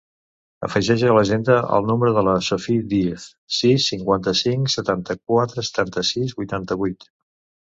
Afegeix a l'agenda el número de la Sophie Diez: sis, cinquanta-cinc, setanta-quatre, setanta-sis, vuitanta-vuit.